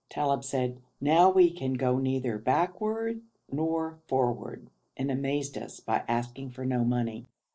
Talib said, 'Now we can go neither backward nor forward,' and amazed us by asking for no money.